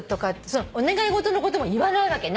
そのお願い事のことも言わないわけ。